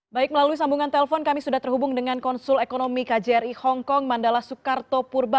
baik melalui sambungan telpon kami sudah terhubung dengan konsul ekonomi kjri hongkong mandala soekarto purba